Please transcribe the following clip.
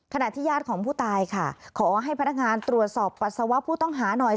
ญาติของผู้ตายค่ะขอให้พนักงานตรวจสอบปัสสาวะผู้ต้องหาหน่อย